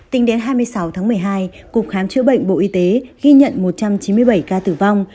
tính đến hai mươi sáu tháng một mươi hai cục khám chữa bệnh bộ y tế ghi nhận một trăm chín mươi bảy ca tử vong